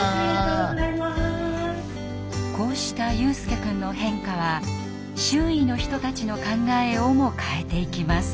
こうした悠翼くんの変化は周囲の人たちの考えをも変えていきます。